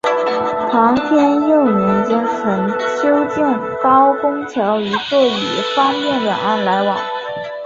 唐天佑年间曾修建高公桥一座以方便两岸来往。